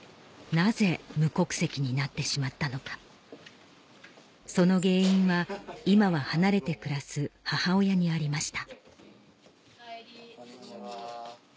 なぜ無国籍になってしまったのかその原因は今は離れて暮らす母親にありました